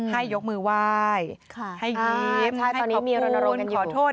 ให้ยกมือวายให้ยิบให้ขอบคุณขอโทษ